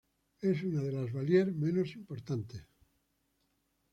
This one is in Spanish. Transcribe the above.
Es una de las valier menos importantes.